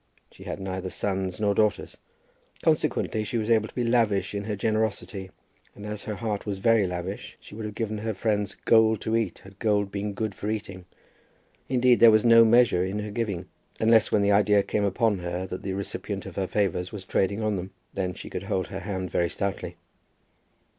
She had neither sons nor daughters. Consequently she was able to be lavish in her generosity; and as her heart was very lavish, she would have given her friends gold to eat had gold been good for eating. Indeed there was no measure in her giving, unless when the idea came upon her that the recipient of her favours was trading on them. Then she could hold her hand very stoutly.